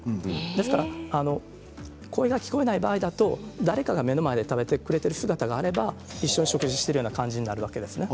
ですから声が聞こえない場合だと誰かが目の前で食べてくれている姿があれば一緒に食事をしてるような感じになるわけですね。